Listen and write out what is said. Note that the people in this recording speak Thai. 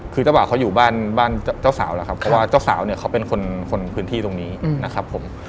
คือเจ้าบ่าวเขาอยู่บ้านบ้านเจ้าสาวแล้วครับเพราะว่าเจ้าสาวเนี่ยเขาเป็นคนพื้นที่ตรงนี้นะครับผม